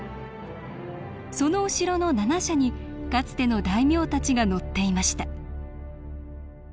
その後ろの七車にかつての大名たちが乗っていました